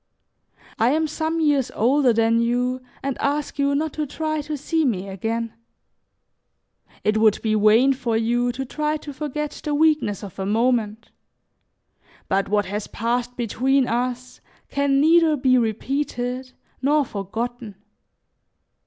"I am some years older than you and ask you not to try to see me again. It would be vain for you to try to forget the weakness of a moment; but what has passed between us can neither be repeated nor forgotten.